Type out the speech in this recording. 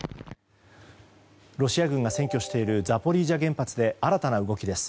ロシア軍が占拠しているザポリージャ原発で新たな動きです。